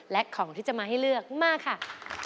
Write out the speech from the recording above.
และของที่จะมาให้เลือกมาค่ะ